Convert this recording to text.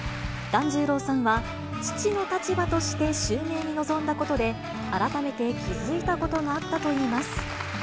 團十郎さんは、父の立場として襲名に臨んだことで、改めて気付いたことがあったといいます。